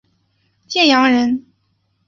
建阳人。